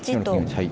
はい。